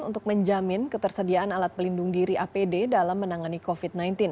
untuk menjamin ketersediaan alat pelindung diri apd dalam menangani covid sembilan belas